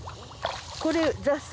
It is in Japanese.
これ雑草。